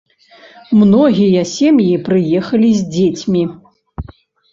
Многія сем'і прыехалі з дзецьмі.